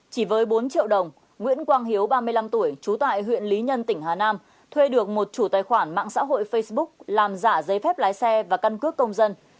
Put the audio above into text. chỉ với bốn triệu đồng nguyễn quang hiếu ba mươi năm tuổi trú tại huyện lý nhân tỉnh hà nam thuê được một chủ tài khoản mạng xã hội facebook làm giả giấy phép lái xe và căn cước công dân